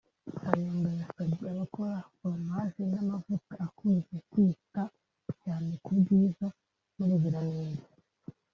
Kayonga yasabye abakora foromaje n’amavuta akuze kwita cyane ku bwiza n’ubuziranenge